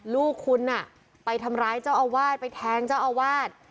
ลูกคุณไปทำร้ายเจ้าอาวาสไปแทงเจ้าอาวาส